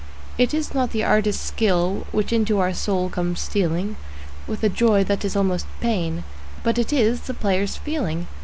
It is not the artist's skill which into our soul comes stealing With a joy that is almost pain, but it is the player's feeling.